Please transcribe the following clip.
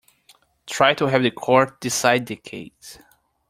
Try to have the court decide the case.